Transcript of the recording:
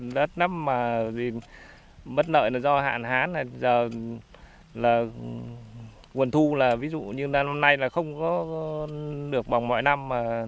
đất nấm mà bất nợ do hạn hán là giờ là quần thu là ví dụ như năm nay là không có được bỏng mọi năm